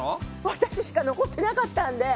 私しか残ってなかったんで。